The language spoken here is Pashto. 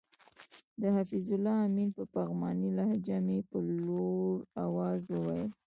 د حفیظ الله آمین په پغمانۍ لهجه مې په لوړ اواز وویل.